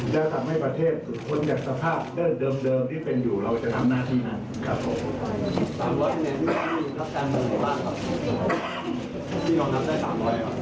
และทำให้ประเทศหลุดพ้นจากสภาพเดิมที่เป็นอยู่เราจะทำหน้าที่นั้นครับ